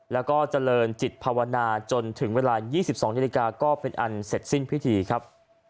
แล้วก็เจริญจิตภาวนาจนถึงเวลา๒๒นาฬิกาก็เป็นอันเสร็จสิ้นพิธีครับ